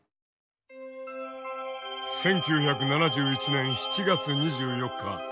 １９７１年７月２４日。